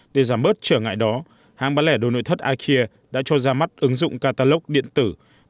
để giảm bớt trở ngại đó hãng bán lẻ đồ nội thất ikea đã cho ra mắt ứng dụng catalog điện tử